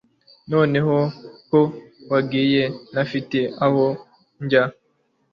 noneho ko wagiye ntafite aho njya